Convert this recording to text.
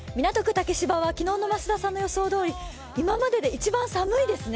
竹芝は昨日の増田さんの予想どおり今までで一番寒いですね。